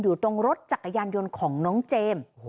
อยู่ตรงรถจักรยานยนต์ของน้องเจมส์